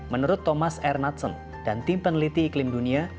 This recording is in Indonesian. menurut thomas r knudsen dan tim peneliti iklim dunia